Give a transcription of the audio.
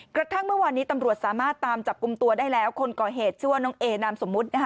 กระทั่งเมื่อวานนี้ตำรวจสามารถตามจับกลุ่มตัวได้แล้วคนก่อเหตุชื่อว่าน้องเอนามสมมุตินะคะ